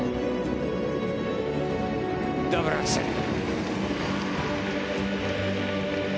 ダブルアクセル。